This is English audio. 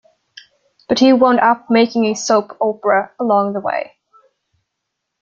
But he wound up making a soap opera along the way.